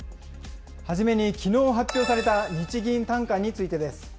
初めにきのう発表された日銀短観についてです。